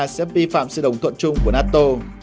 sự đồng thuận chung của nato